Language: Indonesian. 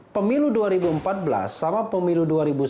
pemilu dua ribu empat belas sama pemilu dua ribu sembilan belas